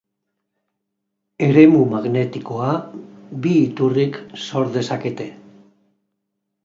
Eremu magnetikoa bi iturrik sor dezakete.